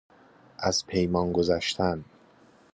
از پیمان گذشتن